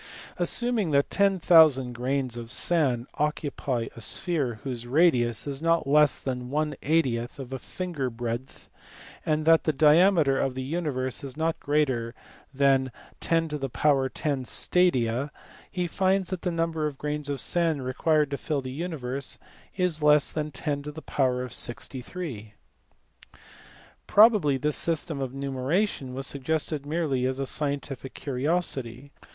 Assuming that 10000 grains of sand occupy a sphere whose radius is not less than g^th of a finger breadth, and that the diameter of the universe is not greater than 10 10 stadia, he finds that the number of grains of sand required to fill the universe is less than 10 63 . Probably this system of numeration was suggested merely as a scientific curiosity.